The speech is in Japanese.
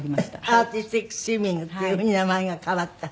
アーティスティックスイミングっていうふうに名前が変わった。